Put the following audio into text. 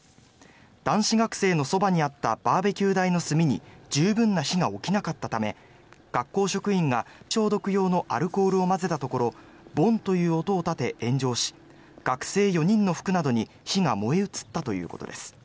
男子学生のそばにあったバーベキュー台の炭に十分な火が起きなかったため学校職員が消毒用のアルコールを混ぜたところボンという音を立て、炎上し学生４人の服などに火が燃え移ったということです。